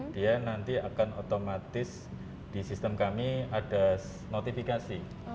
dia nanti akan otomatis di sistem kami ada notifikasi